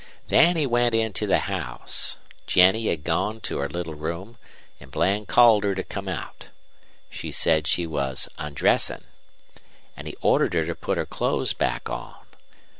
"Then we went into the house. Jennie had gone to her little room, an' Bland called her to come out. She said she was undressin'. An' he ordered her to put her clothes back on.